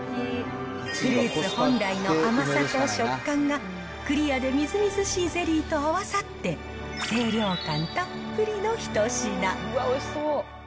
フルーツ本来の甘さと食感が、クリアでみずみずしいゼリーと合わさって、清涼感たっぷりの一品。